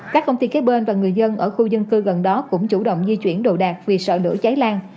các công ty kế bên và người dân ở khu dân cư gần đó cũng chủ động di chuyển đồ đạc vì sợ lửa cháy lan